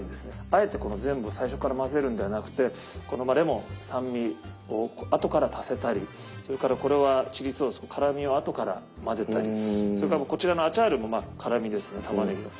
あえて全部最初から混ぜるんではなくてレモン酸味を後から足せたりそれからこれはチリソース辛みを後から混ぜたりそれからこちらのアチャールも辛みですねたまねぎの。